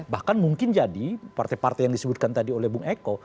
bahkan mungkin jadi partai partai yang disebutkan tadi oleh bung eko